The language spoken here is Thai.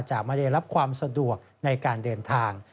จะไม่ได้รับความสะดวกในการเดินทาง